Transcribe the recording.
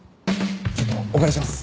ちょっとお借りします。